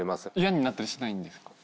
嫌になったりしないんですか？